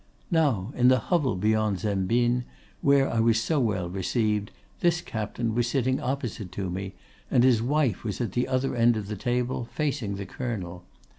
"Now, in the hovel beyond Zembin, where I was so well received, this captain was sitting opposite to me, and his wife was at the other end of the table, facing the Colonel.